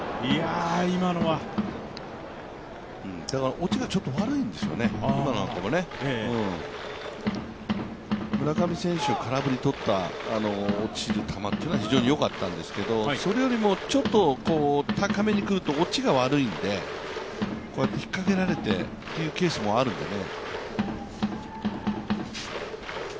落ちがちょっと悪いんでしょうね、今のなんかもね、村上選手を空振りにとった落ちる球は非常によかったんですが、それよりもちょっと高めに来ると落ちが悪いんでこうやって引っかけられてというケースもあるんでね。